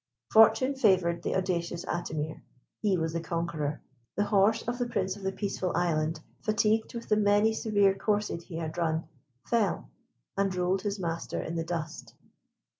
Fortune favoured the audacious Atimir: he was the conqueror. The horse of the Prince of the Peaceful Island, fatigued with the many severe courses he had run, fell, and rolled his master in the dust.